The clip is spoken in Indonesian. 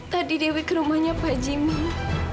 tadi dewi ke rumahnya pak jimmy